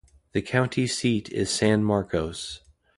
The county seat is San Marcos.